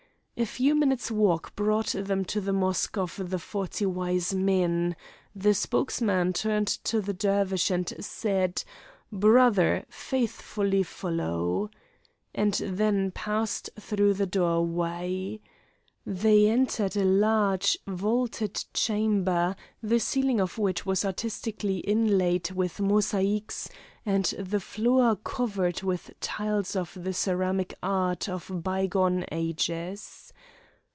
A few minutes' walk brought them to the mosque of the Forty Wise Men; the spokesman turned to the Dervish, and said: "Brother, faithfully follow," and then passed through the doorway. They entered a large, vaulted chamber, the ceiling of which was artistically inlaid with mosaïques, and the floor covered with tiles of the ceramic art of bygone ages.